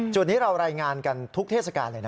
จุดนี้เรารายงานกันทุกเทศกาลเลยนะ